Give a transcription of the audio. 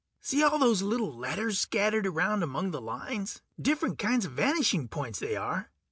See all those little letters scattered around among the lines? Different kinds of vanishing points, they are.